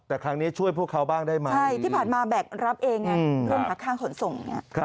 แต่ครั้งนี้ช่วยพวกเขาบ้างได้ไหมใช่ที่ผ่านมาแบกรับเองเรื่องหาค่าขนส่งเนี่ย